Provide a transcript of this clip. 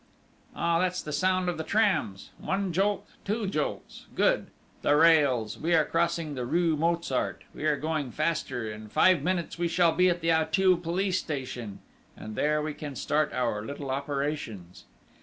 "Ah, that's the sound of the trams!... One jolt! Two jolts! Good!... The rails!... We are crossing rue Mozart! We are going faster in five minutes we shall be at the Auteuil police station, and there we can start our little operations!"